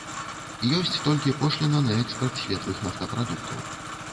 Ёсць толькі пошліна на экспарт светлых нафтапрадуктаў.